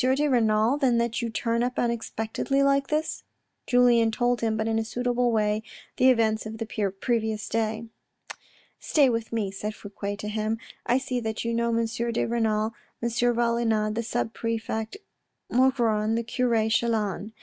de Renal then that you turn up unexpectedly like this ?" Julien told him, but in a suitable way, the events of the previous day. " Stay with me," said Fouque to him. " I see that you know M. de Renal, M. Valenod, the sub prefect Maugron, the cure Chelan.